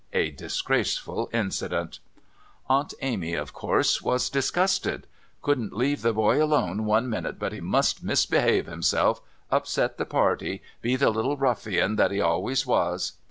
A disgraceful incident. Aunt Amy, of course, was disgusted. Couldn't leave the boy alone one minute but he must misbehave himself, upset the party, be the little ruffian that he always was.